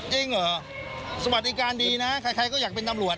จริงเหรอสวัสดิการดีนะใครก็อยากเป็นตำรวจ